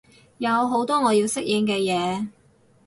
有好多我要適應嘅嘢